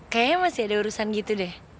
kayaknya masih ada urusan gitu deh